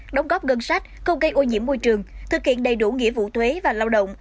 đóng góp ngân sách không gây ô nhiễm môi trường thực hiện đầy đủ nghĩa vụ thuế và lao động